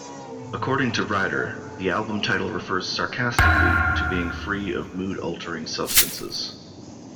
According to Ryder, the album title refers sarcastically to being free of mood-altering substances.